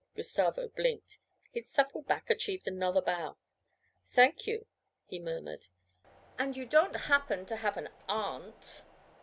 Gustavo blinked. His supple back achieved another bow. 'Sank you,' he murmured. 'And you don't happen to have an aunt?'